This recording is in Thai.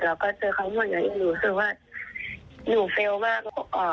แล้วก็เจอเขาหมดแล้วอีกหนูรู้สึกว่าหนูเฟลล์มากอ่า